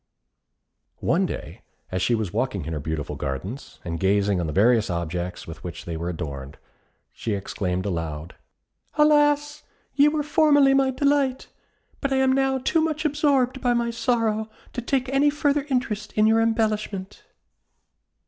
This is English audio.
One day, as she was walking in her beautiful gardens, and gazing on the various objects with which they were adorned, she exclaimed aloud, "Alas! ye were formerly my delight; but I am now too much absorbed by my sorrow to take any further interest in your embellishment."